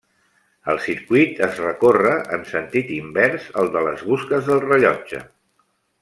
El circuit es recorre en sentit invers al de les busques del rellotge.